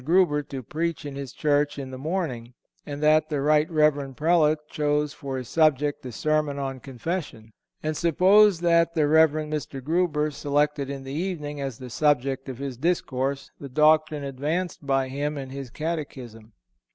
Grueber to preach in his church in the morning, and that the Rt. Rev. Prelate chose for his subject a sermon on confession; and suppose that the Rev. Mr. Grueber selected in the evening, as the subject of his discourse, the doctrine advanced by him in his catechism.